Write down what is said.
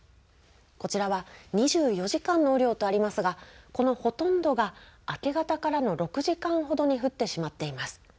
こちらは２４時間の雨量とありますが、このほとんどが、明け方の６時間ほどに降ってしまっています。